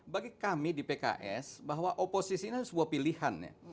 bagi kami di pks bahwa oposisinya sebuah pilihan ya